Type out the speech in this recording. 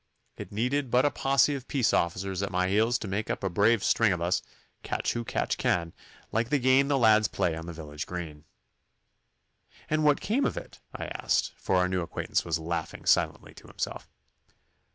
It needed but a posse of peace officers at my heels to make up a brave string of us, catch who catch can, like the game the lads play on the village green.' 'And what came of it?' I asked, for our new acquaintance was laughing silently to himself.